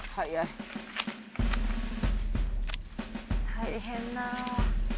大変だ。